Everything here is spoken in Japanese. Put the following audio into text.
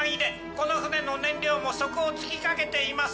この船の燃料も底をつきかけています。